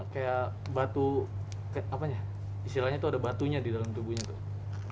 kayak batu apanya istilahnya itu ada batunya di dalam tubuhnya tuh